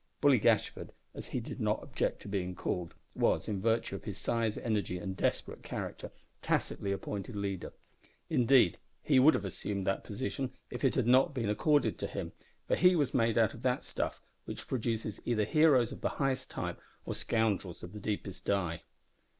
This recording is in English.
Bully Gashford, as he did not object to be called, was, in virtue of his size, energy, and desperate character, tacitly appointed leader. Indeed he would have assumed that position if it had not been accorded to him, for he was made of that stuff which produces either heroes of the highest type or scoundrels of the deepest dye.